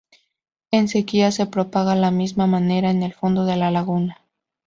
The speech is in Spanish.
En sequía se propaga de la misma manera en el fondo de la laguna.